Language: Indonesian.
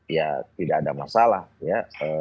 ya tidak ada masalah ya